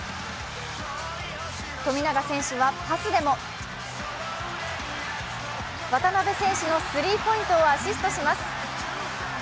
富永選手はパスでも渡邊選手のスリーポイントをアシストします。